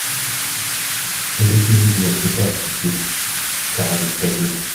«L'Église ne le fait pas, dit-il, car elle est faible.